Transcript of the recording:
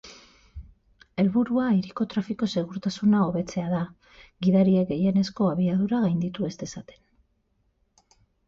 Helburua hiriko trafiko-segurtasuna hobetzea da, gidariek gehienezko abiadura gainditu ez dezaten.